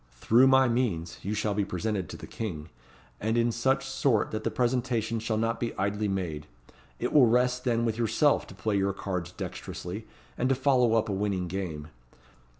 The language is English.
Through my means you shall be presented to the king, and in such sort that the presentation shall not be idly made. It will rest then with yourself to play your cards dexterously, and to follow up a winning game.